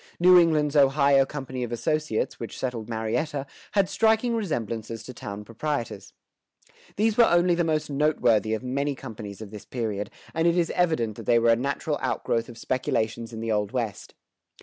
New England's Ohio Company of Associates, which settled Marietta, had striking resemblances to town proprietors. These were only the most noteworthy of many companies of this period, and it is evident that they were a natural outgrowth of speculations in the Old West.